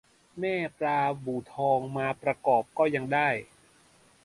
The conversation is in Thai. แม่ปลาบู่ทอง มาประกอบก็ยังได้